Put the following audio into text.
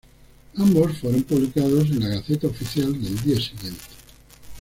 Ambos fueron publicado en la "Gaceta Oficial" del día siguiente.